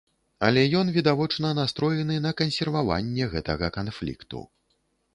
Але, ён відавочна настроены на кансерваванне гэтага канфлікту.